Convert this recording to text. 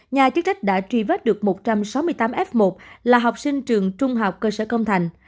nhà chức trách đã truy vết được một trăm sáu mươi tám f một là học sinh trường trung học cơ sở công thành